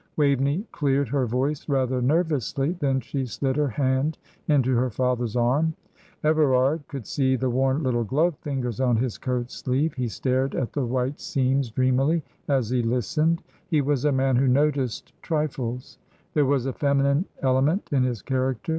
Waveney cleared her voice rather nervously; then she slid her hand into her father's arm. Everard could see the worn little glove fingers on his coat sleeve; he stared at the white seams dreamily as he listened. He was a man who noticed trifles; there was a feminine element in his character.